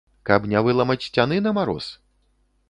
Каб не выламаць сцяны на мароз?